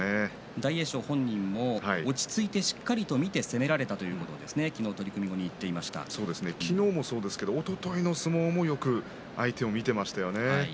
大栄翔本人も落ち着いてよく見ながら攻められたと昨日もそうですがおとといの相撲もよく相手を見ていましたよね。